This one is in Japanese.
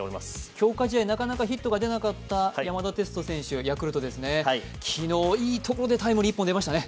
強化試合、なかなかヒットが出なかったヤクルトの山田哲人選手、昨日、いいところでタイムリー１本出ましたね。